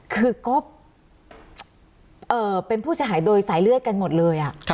คือก๊อฟเป็นผู้เสียหายโดยสายเลือดกันหมดเลย